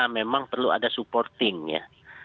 memang perlu ada supportingnya